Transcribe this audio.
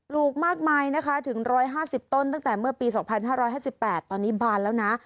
ลูกมากมายนะคะถึง๑๕๐ต้นตั้งแต่เมื่อปี๒๕๕๘ตอนนี้บานแล้วนะ